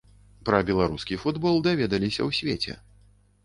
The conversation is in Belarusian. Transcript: Пра беларускі футбол даведаліся ў свеце.